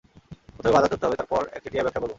প্রথমে বাজার ধরতে হবে, তারপর একচেটিয়া ব্যবসা করবো।